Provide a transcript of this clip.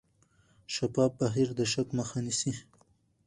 شفاف بهیر د شک مخه نیسي.